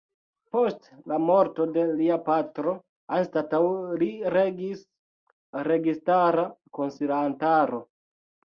Post la morto de lia patro anstataŭ li regis registara konsilantaro.